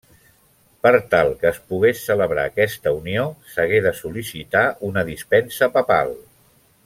Per tal que es pogués celebrar aquesta unió s'hagué de sol·licitar una dispensa papal.